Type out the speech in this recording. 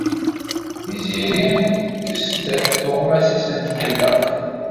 Tiziri tekkes-d tuɣmas-is n tkellax.